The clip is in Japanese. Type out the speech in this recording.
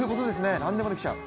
何でもできちゃう。